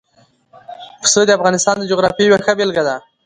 پسه د افغانستان د جغرافیې یوه ښه بېلګه ده.